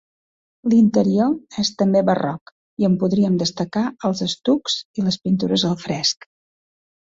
L'interior és també barroc, i en podríem destacar els estucs i les pintures al fresc.